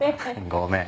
ごめん。